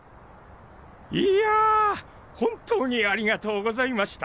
いや本当にありがとうございました。